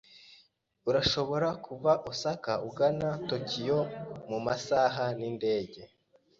Urashobora kuva Osaka ugana Tokiyo mumasaha nindege.